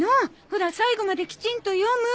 ほら最後まできちんと読む。